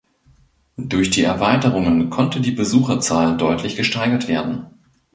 Durch die Erweiterungen konnte die Besucherzahl deutlich gesteigert werden.